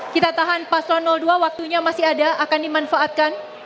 kita tahan paslon dua waktunya masih ada akan dimanfaatkan